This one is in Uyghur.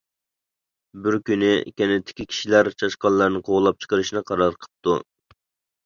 بىر كۈنى كەنتتىكى كىشىلەر چاشقانلارنى قوغلاپ چىقىرىشنى قارار قىپتۇ.